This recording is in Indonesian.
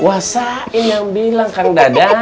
wah sain yang bilang kang dadang